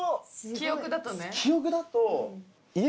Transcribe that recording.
記憶だとね。